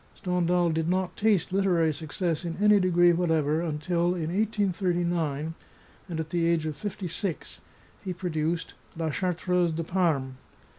Stendhal did not taste literary success in any degree whatever until, in 183^, and at the age of fifty six, he produced " La Chartreuse de Parme."